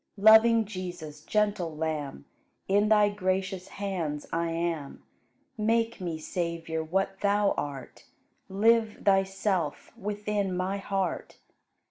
Loving Jesus, gentle Lamb, In Thy gracious hands I am; Make me, Savior, what Thou art, Live Thyself within my heart.